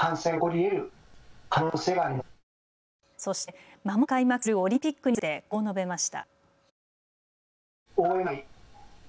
そして、まもなく開幕するオリンピックについてこう述べました。